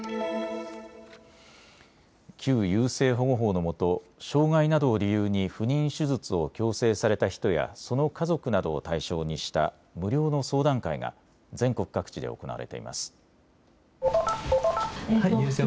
旧優生保護法のもと障害などを理由に不妊手術を強制された人やその家族などを対象にした無料の相談会が全国各地で行われています。